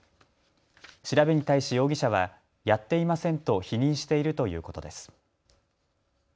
調べに対し容疑者はやっていませんと否認しているということです。